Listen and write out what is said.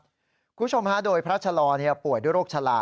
คุณผู้ชมฮะโดยพระชะลอป่วยด้วยโรคชะลา